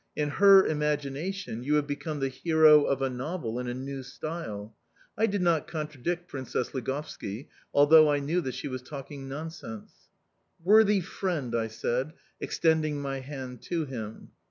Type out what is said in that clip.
In her imagination you have become the hero of a novel in a new style... I did not contradict Princess Ligovski, although I knew that she was talking nonsense." "Worthy friend!" I said, extending my hand to him.